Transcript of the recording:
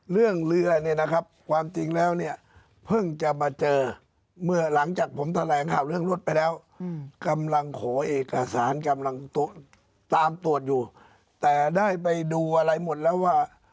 เรื่องเรือเนี่ยนะครับความจริงแล้วเนี่ยเพิ่งจะมาเจอหลังจากผมแถลงข่าวเรื่องรถไปแล้ว